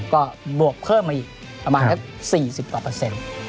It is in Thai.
ก็บวกเพิ่มมาอีกประมาณสัก๔๐กว่าเปอร์เซ็นต์